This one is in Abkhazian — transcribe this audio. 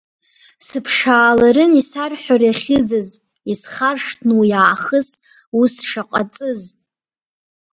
Сыԥшааларын исарҳәар иахьыӡыз, исхаршҭны уиаахыс ус шаҟа ҵыз.